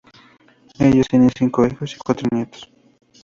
Ellos tienen cinco hijos y cuatro nietos.